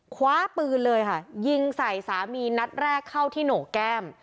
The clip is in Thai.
คว้าปืนเลยค่ะยิงใส่สามีนัดแรกเข้าที่โหนกแก้ม